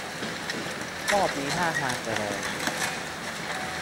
รอบนี้ท่าทาง จะแรง